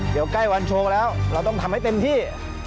เดี๋ยวใกล้วันโชว์แล้วเราต้องทำให้เต็มที่